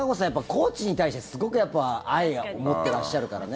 高知に対してすごく愛を持ってらっしゃるからね。